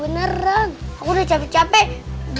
beneran udah capek capek